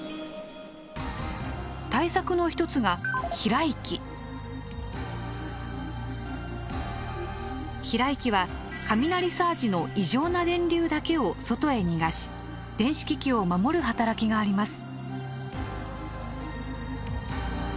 対策の一つが避雷器は雷サージの異常な電流だけを外へ逃がし電子機器を守る働きがあります。